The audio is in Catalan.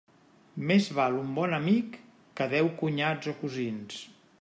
Més val un bon amic que deu cunyats o cosins.